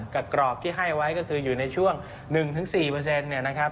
กรอบที่ให้ไว้ก็คืออยู่ในช่วง๑๔เนี่ยนะครับ